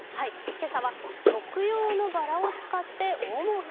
今朝は食用のバラを使って大もうけ？